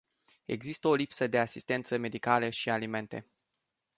Există o lipsă de asistență medicală și alimente.